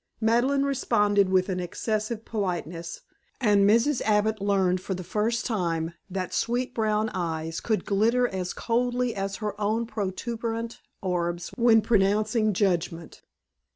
Madeleine responded with an excessive politeness, and Mrs. Abbott learned for the first time that sweet brown eyes could glitter as coldly as her own protuberant orbs when pronouncing judgment.